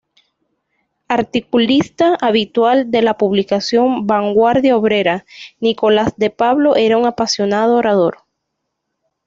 Articulista habitual de la publicación "Vanguardia Obrera", Nicolás de Pablo era un apasionado orador.